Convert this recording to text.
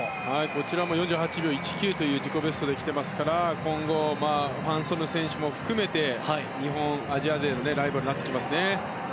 こちらも４８秒１９という自己ベストできていますから今後、ファン・ソヌ選手も含めて日本、アジア勢のライバルになってきますね。